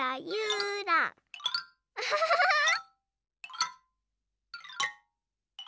アハハハハハ！